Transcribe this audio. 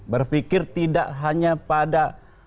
berpikir tidak hanya pada